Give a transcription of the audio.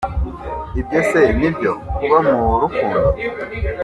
Ibyo se nibyo "kuba mu rukundo?".